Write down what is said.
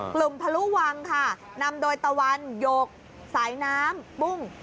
พลุวังค่ะนำโดยตะวันหยกสายน้ำปุ้ง